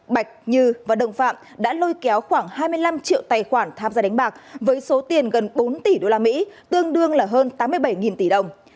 bạch như và đồng phạm đã lôi kéo khoảng hai mươi năm triệu tài khoản tham gia đánh bạc với số tiền gần bốn tỷ usd tương đương là hơn tám mươi bảy tỷ đồng